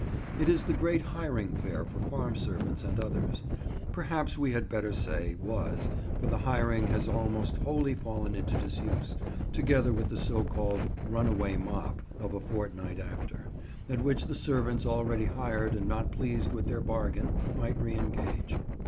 It is the great hiring fair for farm servants and others: perhaps we had better say, was, for the hiring has almost wholly fallen into disuse, together with the so called "Runaway Mop," of a fortnight after, at which the servants already hired and not pleased with their bargain might re engage.